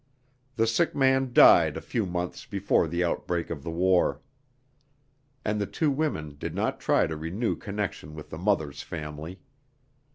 The sick man died a few months before the outbreak of the war. And the two women did not try to renew connection with the mother's family.